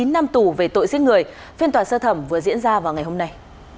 chín năm tù về tội giết người phiên tòa sơ thẩm vừa diễn ra vào ngày hôm nay